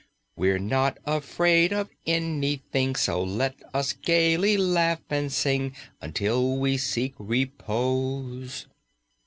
We're not afraid of anything, So let us gayly laugh and sing Until we seek repose.